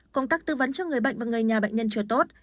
công tác tư vấn cho người bệnh và người nhà bệnh nhân chưa tốt